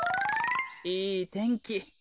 いいてんき。